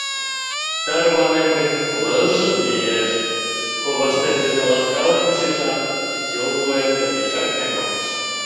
Тарванем гын, лыж-ж лиеш, коваштем дене ласкалыкым шижам, кид-йол луэм тӱргочак каналтыш.